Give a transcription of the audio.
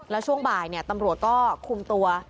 แล้วช่วงบ่ายตำรวจก็คุมตัว